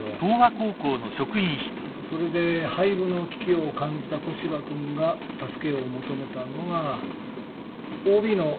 それで廃部の危機を感じた古芝君が助けを求めたのがＯＢの湯川君でした。